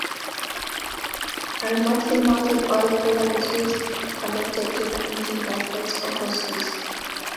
A remotely mounted oil cooler is used, connected to the engine by flexible hoses.